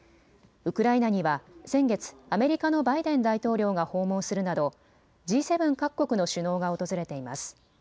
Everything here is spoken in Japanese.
ウクライナには先月、アメリカのバイデン大統領が訪問するなどＧ７各国の首脳が訪れています。